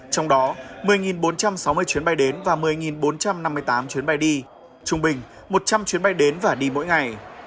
trong đó một mươi bốn trăm sáu mươi chuyến bay đến và một mươi bốn trăm năm mươi tám chuyến bay đi trung bình một trăm linh chuyến bay đến và đi mỗi ngày